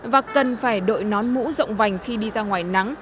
và cần phải đội nón mũ rộng vành khi đi ra ngoài nắng